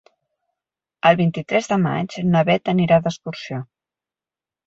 El vint-i-tres de maig na Bet anirà d'excursió.